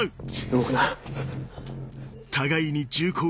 動くな。